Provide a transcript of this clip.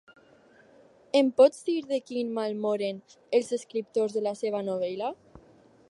Em pots dir de quin mal moren els escriptors a la seva novel·la?